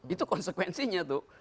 itu konsekuensinya tuh